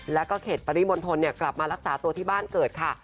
แล้วก็เขตปริมณฑลกลับมารักษาตัวที่บ้านเกิดค่ะ